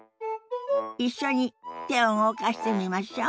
一緒に手を動かしてみましょ。